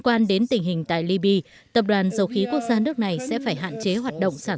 quan đến tình hình tại liby tập đoàn dầu khí quốc gia nước này sẽ phải hạn chế hoạt động sản